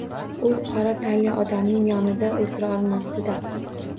U qora tanli odamning yonida oʻtira olmasdi-da.